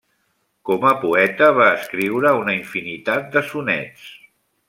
Com a poeta va escriure una infinitat de sonets.